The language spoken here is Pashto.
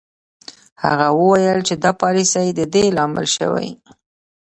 هغه وویل چې دا پالیسۍ د دې لامل شوې